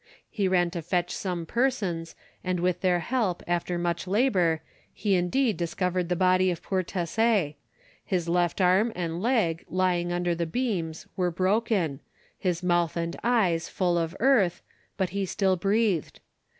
He ran to fetch some persons, and, with their help, after much labor, he indeed discovered the body of poor Tesser; his left arm and leg, lying under the beams, were broken, his mouth and eyes full of earth, but he still breathed.